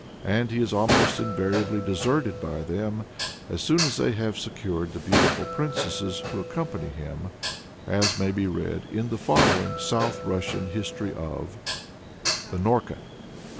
And he is almost invariably deserted by them, as soon as they have secured the beautiful princesses who accompany him as may be read in the following (South Russian) history of THE NORKA.